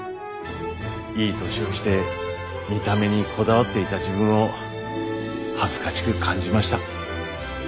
いい年をして見た目にこだわっていた自分を恥ずかしく感じました。